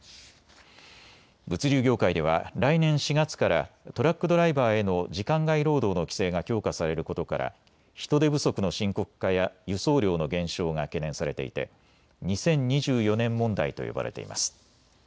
物流業界では来年４月からトラックドライバーへの時間外労働の規制が強化されることから人手不足の深刻化や輸送量の減少が懸念されていて２０２４年問題と呼ばれています。